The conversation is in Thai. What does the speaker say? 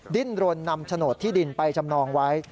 ดิ้นรนนำโฉนดที่ดินไปจำนองไว้